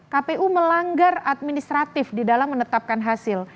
kpu melanggar administratif di dalam menetapkan hasil